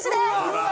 うわ！